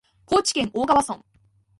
高知県大川村